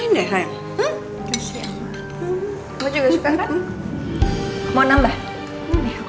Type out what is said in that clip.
enak gak bubur buatanku